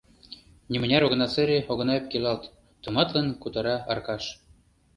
Нимыняр огына сыре, огына ӧпкелалт, — тыматлын кутыра Аркаш.